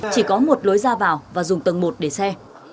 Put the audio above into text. chỉ có một lối ra vào và dùng tầng một để xe